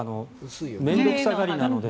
面倒臭がりなので。